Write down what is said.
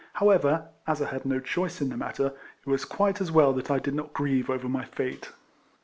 However, as I had no choice in the matter, it was quite as well that I did not grieve over my fate.